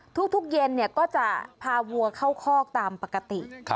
ทุกเย็นก็จะพาวัวเข้าคอกตามปกติ